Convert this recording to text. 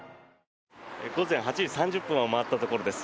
午前８時３０分を回ったところです。